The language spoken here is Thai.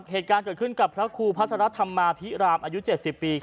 เหตุการณ์เกิดขึ้นกับพระครูพัทรธรรมาพิรามอายุ๗๐ปี